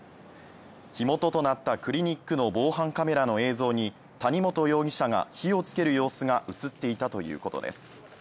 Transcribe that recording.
火元となったクリニックの防犯カメラの映像に谷本容疑者が火をつける様子が映っていたということです。